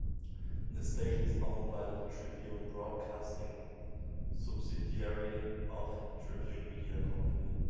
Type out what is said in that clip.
The station is owned by the Tribune Broadcasting subsidiary of Tribune Media Company.